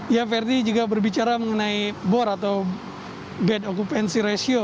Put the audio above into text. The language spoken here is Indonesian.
ya verdi jika berbicara mengenai bor atau gad occupancy ratio